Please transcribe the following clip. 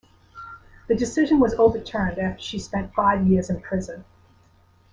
The decision was overturned after she spent five years in prison.